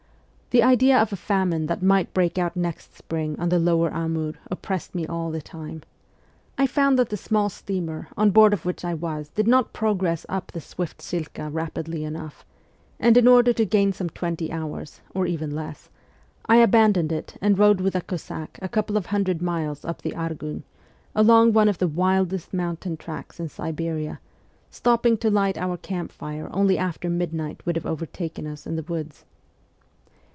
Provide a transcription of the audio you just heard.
The idea of a famine that might break out next spring on the lower Amur oppressed me all the time. I found that the small steamer on board of which I was did not progress up the swift Shilka rapidly enough, and in order to gain some twenty hours, or even less, I abandoned it and rode with a Cossack a couple of hundred miles up the Argun, along one of the wildest mountain tracks in Siberia, stopping to light our camp fire only after mid night would have overtaken us in the woods.